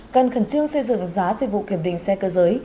cần khẩn trương xây dựng giá dịch vụ kiểm định xe cơ giới